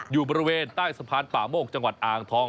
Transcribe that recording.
อยู่บริเวณใต้สะพานป่าโมกจังหวัดอ่างทอง